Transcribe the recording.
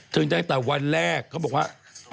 ตั้งแต่วันแรกเขาบอกว่า